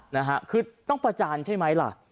นะฮะคือต้องประจานใช่ไหมล่ะ